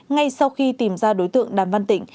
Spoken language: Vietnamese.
ngay sau khi tìm ra đối tượng đàm văn tỉnh